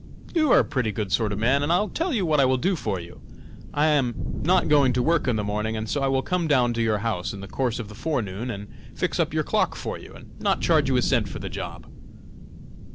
you are a pretty good sort of a man, and I'll tell you what I will do for you; I am not going to work in the morning, and so I will come down to your house in the course of the forenoon and fix up your clock for you and not charge you a cent for the job."